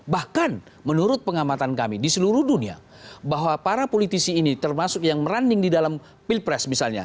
bahkan menurut pengamatan kami di seluruh dunia bahwa para politisi ini termasuk yang meranding di dalam pilpres misalnya